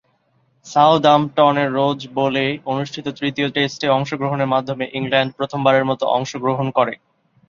সাউদাম্পটনের Rose Bowl অনুষ্ঠিত তৃতীয় টেস্টে অংশগ্রহণের মাধ্যমে ইংল্যান্ড প্রথমবারের মতো অংশগ্রহণ করে।